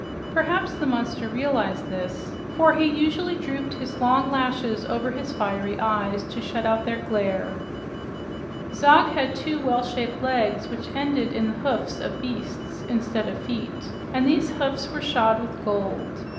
Perhaps the monster realized this, for he usually drooped his long lashes over his fiery eyes to shut out their glare. Zog had two well shaped legs which ended in the hoofs of beasts instead of feet, and these hoofs were shod with gold.